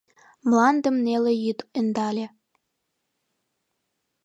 Мландым неле йӱд ӧндале…